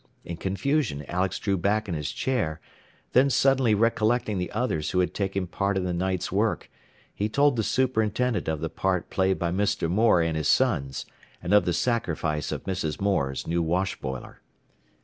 In confusion Alex drew back in his chair, then suddenly recollecting the others who had taken part in the night's work, he told the superintendent of the part played by Mr. Moore and his sons, and of the sacrifice of Mrs. Moore's new wash boiler.